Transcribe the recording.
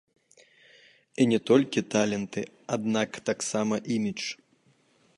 І не толькі таленты, аднак таксама імідж.